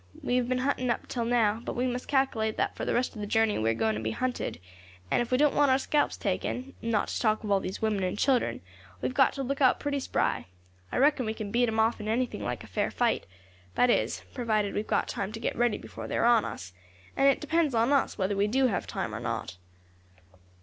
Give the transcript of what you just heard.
We have been hunting up till now, but we must calculate that for the rest of the journey we are going to be hunted; and if we don't want our scalps taken, not to talk of all these women and children, we have got to look out pretty spry. I reckon we can beat them off in anything like a fair fight that is, provided we have got time to get ready before they are on us, and it depends on us whether we do have time or not."